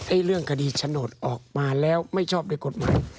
เรื่องคดีโฉนดออกมาแล้วไม่ชอบด้วยกฎหมาย